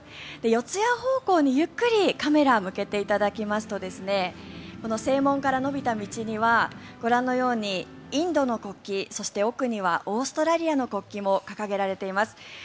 四谷方向にゆっくりカメラを向けていただきますと正門から延びた道にはご覧のようにインドの国旗そして奥にはオーストラリアの国旗も掲げられています。